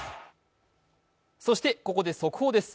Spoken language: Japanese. そして、ここで速報です。